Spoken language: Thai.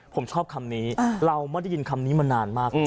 ผมชอบคำนี้เราไม่ได้ยินคำนี้มานานมาก